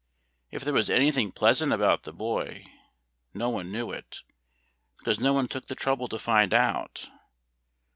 If there was anything pleasant about the boy, no one knew it, because no one took the trouble to find out.